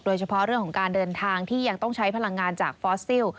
โดยเฉพาะเรื่องของการเดินทางที่ยังต้องใช้พลังงานจากฟอสซิล